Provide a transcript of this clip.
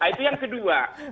nah itu yang kedua